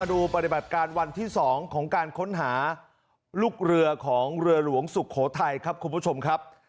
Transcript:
ดูปฏิบัติการวันที่๒ของการค้นหาลูกเรือของเรือหลวงสุโขทัยครับคุณผู้ชมครับ